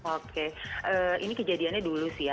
oke ini kejadiannya dulu sih ya